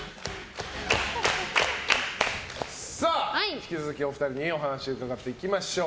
引き続きお二人にお話伺っていきましょう。